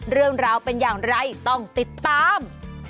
เรื่องราวเป็นอย่างไรต้องติดตาม